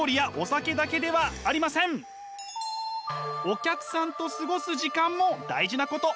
お客さんと過ごす時間も大事なこと。